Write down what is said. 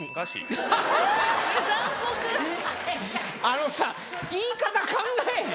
あのさ言い方考えへん？